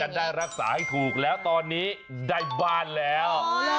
ได้รักษาให้ถูกแล้วตอนนี้ได้บ้านแล้ว